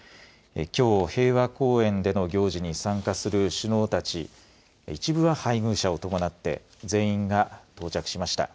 きょう、平和公園での行事に参加する首脳たち、一部は配偶者を伴って、全員が到着しました。